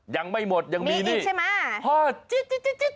ยังไม่หมดยังมีนี่ใช่ไหม